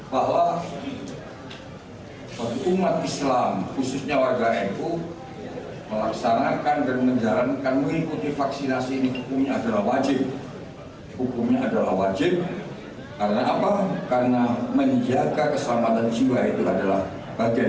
pemirsa yang diambil oleh lembaga yang berkompetensi untuk membahas tentang itu